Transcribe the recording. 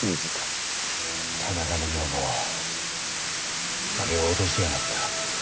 田中の女房俺を脅しやがった。